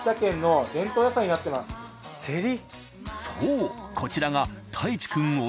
そうこちらが太一くん